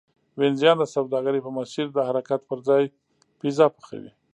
وینزیان د سوداګرۍ په مسیر د حرکت پرځای پیزا پخوي